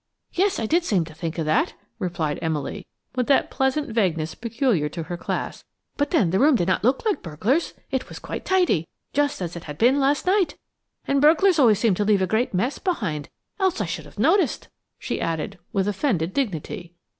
"Yes, I did seem to think of that," replied Emily, with that pleasant vagueness peculiar to her class; "but then, the room did not look like burglars–it was quite tidy, just as it had been left last night, and burglars always seem to leave a great mess behind, else I should have noticed," she added, with offended dignity.